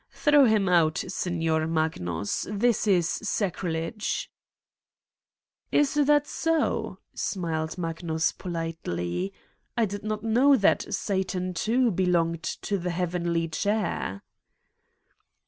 Throw him out, Signor Magnus. This is sacrilege !'' "Is that so?" smiled Magnus politely: "I did not know that Satan, too, belonged to the heavenly chair.